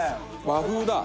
和風だ。